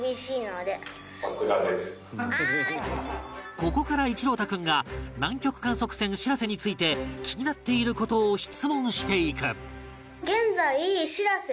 ここから一朗太君が南極観測船しらせについて気になっている事を質問していく